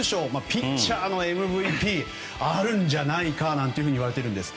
ピッチャーのＭＶＰがあるんじゃないかなんていわれているんです。